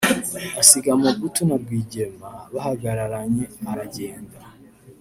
asiga Mobutu na Rwigema bahagararanye aragenda